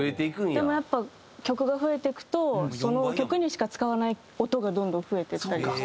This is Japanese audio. でもやっぱ曲が増えていくとその曲にしか使わない音がどんどん増えていったりして。